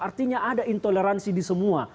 artinya ada intoleransi di semua